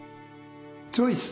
チョイス！